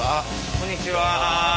こんにちは。